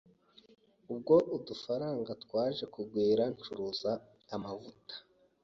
Ubwo udufaranga twaje kugwira ncuruza amavuta,